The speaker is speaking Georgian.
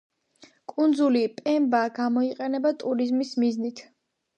კუნძული პემბა გამოიყენება ტურიზმის მიზნით.